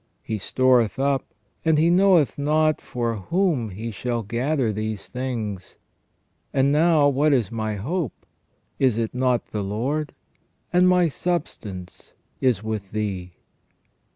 He storeth up, and he knoweth not for whom he shall gather these things. And now, what is my hope ? Is it not the Lord ? And my substance is with Thee."